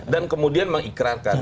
dan kemudian mengikrarkan